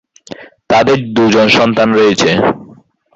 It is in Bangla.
তাদের দু'জন সন্তান রয়েছে।